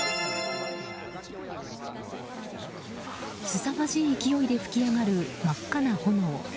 すさまじい勢いで噴き上がる真っ赤な炎。